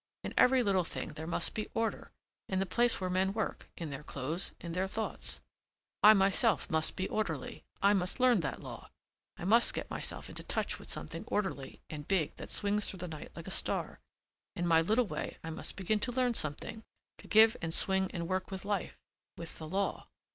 In every little thing there must be order, in the place where men work, in their clothes, in their thoughts. I myself must be orderly. I must learn that law. I must get myself into touch with something orderly and big that swings through the night like a star. In my little way I must begin to learn something, to give and swing and work with life, with the law."